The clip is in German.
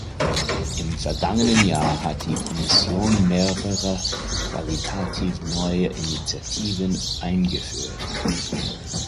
Im vergangenen Jahr hat die Kommission mehrere qualitativ neue Initiativen eingeführt.